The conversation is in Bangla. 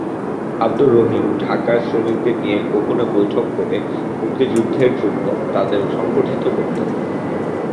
আবদুর রহিম ঢাকায় শ্রমিকদের নিয়ে গোপনে বৈঠক করে মুক্তিযুদ্ধের জন্য তাঁদের সংগঠিত করতেন।